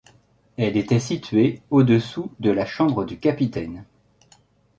Elle était située au-dessous de la chambre du capitaine.